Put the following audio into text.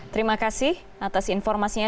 terima kasih atas informasinya